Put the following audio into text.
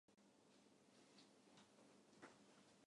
おおおすごい